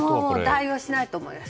対応しないと思います。